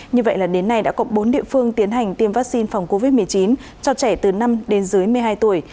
như vậy là đến nay đã có bốn địa phương tiến hành tiêm vaccine phòng covid một mươi chín cho trẻ từ năm đến dưới một mươi hai tuổi